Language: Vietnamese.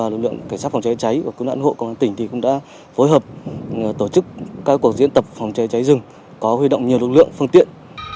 lực lượng cảnh sát phòng cháy cháy và cứu nạn hộ công an tỉnh cũng đã phối hợp tổ chức các cuộc diễn tập phòng cháy cháy rừng có huy động nhiều lực lượng phương tiện